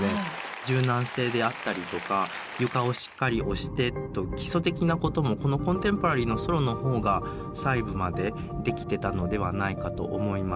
柔軟性であったりとか床をしっかり押してと基礎的なこともこのコンテンポラリーのソロの方が細部までできてたのではないかと思います。